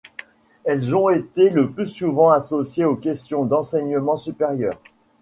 Elles ont été le plus souvent associées aux questions d'Enseignement supérieur.